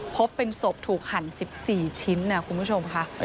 พบเป็นศพถูกหั่น๑๔ชิ้นคุณผู้ชมค่ะ